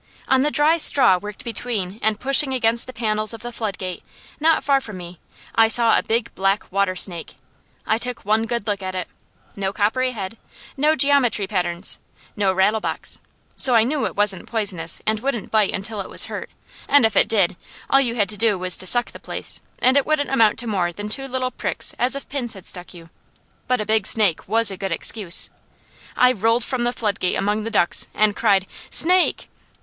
On the dry straw worked between and pushing against the panels of the floodgate, not far from me, I saw a big black water snake. I took one good look at it: no coppery head, no geometry patterns, no rattlebox, so I knew it wasn't poisonous and wouldn't bite until it was hurt, and if it did, all you had to do was to suck the place, and it wouldn't amount to more than two little pricks as if pins had stuck you; but a big snake was a good excuse. I rolled from the floodgate among the ducks, and cried, "Snake!"